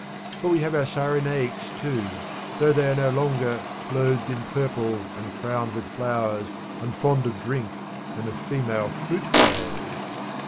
But we have our Cyrenaics too, though they are no longer 'clothed in purple, and crowned with flowers, and fond of drink and of female flute players.'